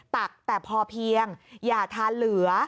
ตักแต่พอเพียงอย่าทานเหลือ